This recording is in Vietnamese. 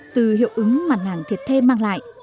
từ hiệu ứng mà nàng thiệt thê mang lại